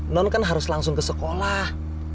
non kan harus langsung ke sekolah